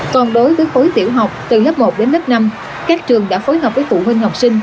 còn đối với khối tiểu học từ lớp một đến lớp năm các trường đã phối hợp với phụ huynh học sinh